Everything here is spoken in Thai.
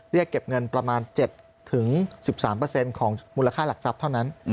เรียกเก็บเงินประมาณ๗๑๓ของมูลค่าหลักทรัพย์เท่านั้น